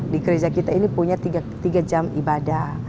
di gereja kita ini punya tiga jam ibadah